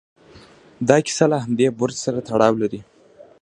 دا کیسه له همدې برج سره تړاو لري.